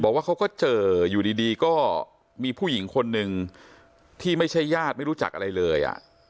เขาก็เจออยู่ดีก็มีผู้หญิงคนหนึ่งที่ไม่ใช่ญาติไม่รู้จักอะไรเลย